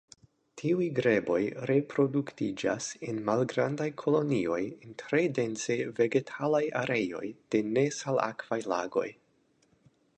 Tiuj greboj reproduktiĝas en malgrandaj kolonioj en tre dense vegetalaj areoj de nesalakvaj lagoj.